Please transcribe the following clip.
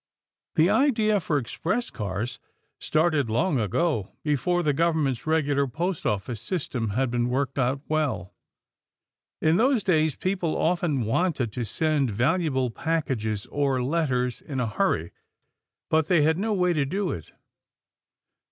The idea for express cars started long ago, before the government's regular post office system had been worked out well. In those days, people often wanted to send valuable packages or letters in a hurry, but they had no way to do it.